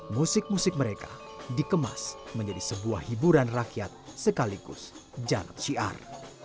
musik musik mereka dikemas menjadi sebuah hiburan rakyat sekaligus jalan syiar